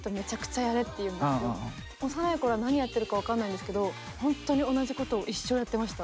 幼い頃は何やってるか分からないんですけどほんとに同じことを一生やってました。